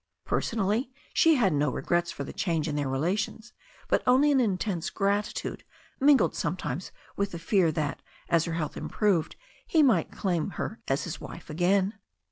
Personally, she had no regrets for the change in their relations, but only an intense gratitude, mingled sometimes with the fear that as her health improved he might claim her as a wife again.